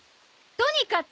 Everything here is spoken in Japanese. とにかく！